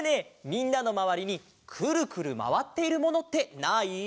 みんなのまわりにくるくるまわっているものってない？